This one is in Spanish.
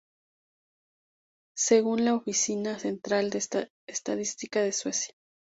Según la Oficina Central de Estadísticas de Suecia.